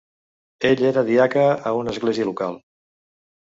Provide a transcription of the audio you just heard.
Ell era diaca a una església local.